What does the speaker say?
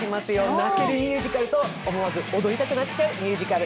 泣けるミュージカルと、思わず踊りたくなっちゃうミュージカル。